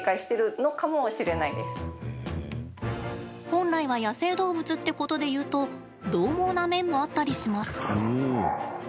本来は野生動物ってことで言うとどう猛な面もあったりします。